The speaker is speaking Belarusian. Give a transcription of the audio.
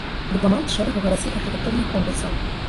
Дыпламант шэрагу гарадскіх архітэктурных конкурсаў.